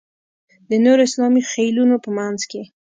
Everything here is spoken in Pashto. د نورو اسلامي خېلونو په منځ کې.